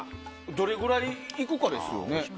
どれぐらいいくかですよね。